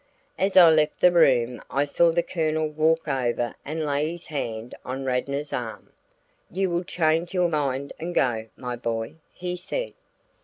As I left the room I saw the Colonel walk over and lay his hand on Radnor's arm. "You will change your mind and go, my boy," he said.